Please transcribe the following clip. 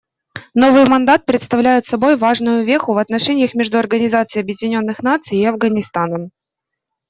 Новый мандат представляет собой важную веху в отношениях между Организацией Объединенных Наций и Афганистаном.